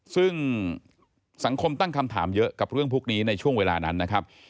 ซึ่งสังคมตั้งคำถามเยอะกับเรื่องพวกนี้ในช่วงเวลานั้นนะครับ